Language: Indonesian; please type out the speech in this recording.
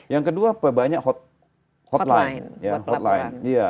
yang kedua perbanyak hotline